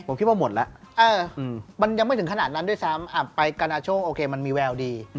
ผมคิดว่าหมดแล้วมันยังไม่ถึงขนาดนั้นด้วยซ้ำไปกานาโชคโอเคมันมีแววดี